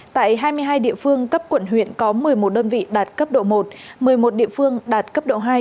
tại hai mươi hai địa phương cấp quận huyện có một mươi một đơn vị đạt cấp độ một một mươi một địa phương đạt cấp độ hai